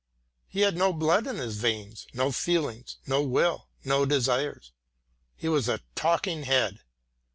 He had no blood in his veins, no feelings, no will, no desires. He was a talking head.